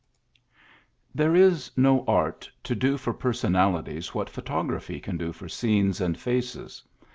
There is no art to do for personalities wliat photography can do for scenes and faces.